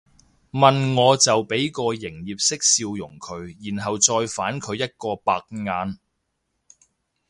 問我就俾個營業式笑容佢然後再反佢一個白眼